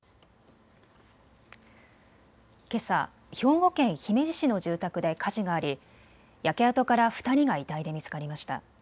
兵庫県姫路市の住宅で火事があり焼け跡から２人が遺体で見つかりました。